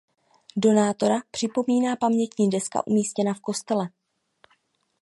Donátora připomíná pamětní deska umístěná v kostele.